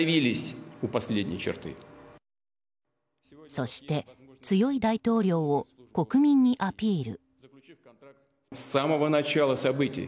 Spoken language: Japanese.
そして、強い大統領を国民にアピール。